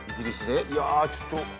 いやちょっと。